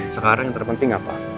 sekarang yang terpenting apa